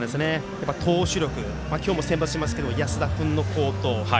投手力、今日も先発してますけど安田君の好投。